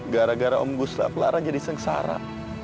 gara gara om gustaf lara jadi sengsara